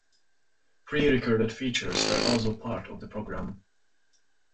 Pre-recorded features were also part of the programme.